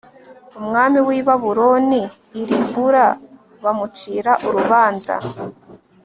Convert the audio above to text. umwami w i Babuloni i Ribula bamucira urubanza